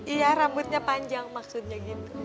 iya rambutnya panjang maksudnya gitu